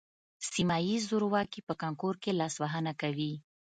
سیمه ییز زورواکي په کانکور کې لاسوهنه کوي